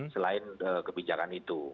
selain kebijakan itu